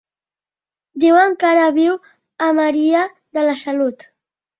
Diuen que ara viu a Maria de la Salut.